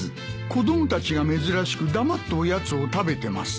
子供たちが珍しく黙っておやつを食べてます。